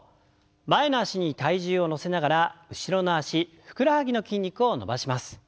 前の脚に体重を乗せながら後ろの脚ふくらはぎの筋肉を伸ばします。